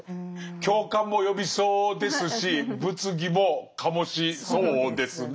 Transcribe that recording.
共感も呼びそうですし物議も醸しそうですね。